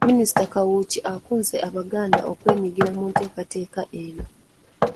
Minisita Kawuki akunze abaganda okwenyingira mu nteekateeka eno.